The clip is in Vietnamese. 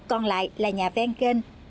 còn lại là nhà ven kênh